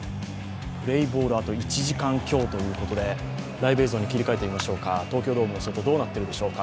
プレーボール、あと１時間強ということで、ライブ映像に切り替えてみましょう、東京ドームの外、どうなっているでしょうか。